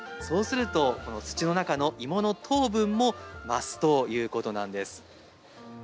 そうすると、この土の中の芋の糖分も増すということなんです。